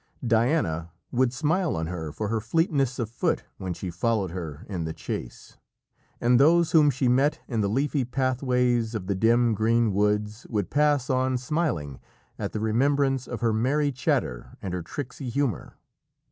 Diana would smile on her for her fleetness of foot when she followed her in the chase, and those whom she met in the leafy pathways of the dim, green woods, would pass on smiling at the remembrance of her merry chatter and her tricksy humour.